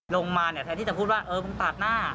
ลงมาเนี่ยแทนที่จะพูดว่าเออมึงปาดหน้า